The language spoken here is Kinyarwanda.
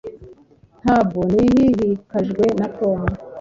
Ntabwo nhihikajwe na Tom